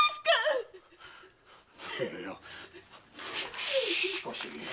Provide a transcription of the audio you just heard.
いいやししかし。